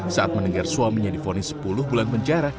saat mendengar suaminya difonis sepuluh bulan penjara